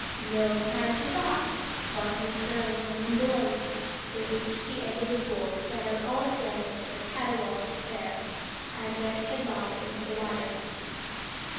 No time for thought! Barking cur and yelling boys! It reached the edge of the pool, spread out all its legs with a caterwaul of despair, and went headlong into the water.